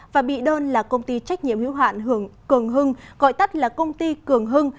và bị đơn là công ty trách nhiệm hiếu hạn hưởng cường hưng gọi tắt là công ty cường hưng